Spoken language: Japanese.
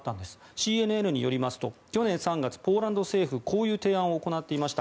ＣＮＮによりますと去年３月、ポーランド政府こういう提案を行っていました。